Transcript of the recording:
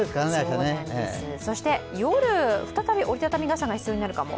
そして夜、再び折り畳み傘が必要になるかも？